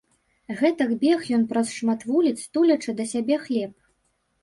Гэтак бег ён праз шмат вуліц, тулячы да сябе хлеб.